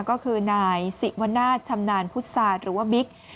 ก็คือนายสิวนาศชำนาญพุทธศาสตร์หรือว่าบิ๊ก